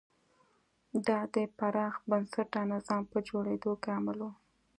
دا د پراخ بنسټه نظام په جوړېدو کې عامل و.